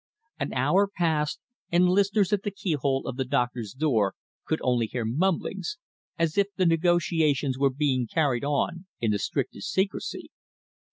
An hour passed and listeners at the keyhole of the Doctor's door could only hear mumbling, as if the negotiations were being carried on in the strictest secrecy.